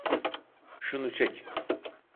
Şunu çek.